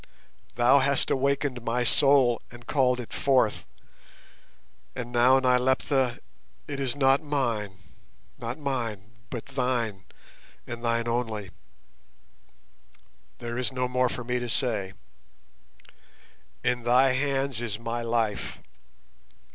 Thou hast awakened my soul and called it forth, and now, Nyleptha, it is not mine, not mine, but thine and thine only. There is no more for me to say; in thy hands is my life."